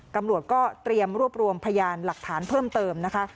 ตำรวจก็เตรียมรวบรวมพยานหลักฐานเพิ่มเติมนะคะ